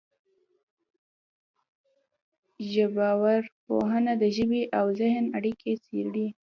ژبارواپوهنه د ژبې او ذهن اړیکې څېړي